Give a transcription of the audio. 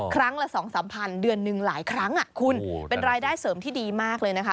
ครั้งละ๒๓พันเดือนหนึ่งหลายครั้งคุณเป็นรายได้เสริมที่ดีมากเลยนะคะ